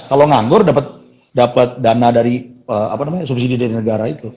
kalau nganggur dapet dana dari apa namanya subsidi dari negara itu